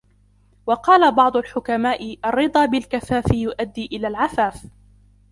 وَقَالَ بَعْضُ الْحُكَمَاءِ الرِّضَى بِالْكَفَافِ يُؤَدِّي إلَى الْعَفَافِ